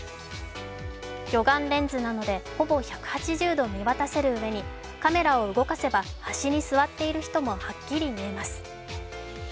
魚眼レンズなので、ほぼ１８０度見渡せるうえにカメラを動かせば端に座っている人もはっきり見えます。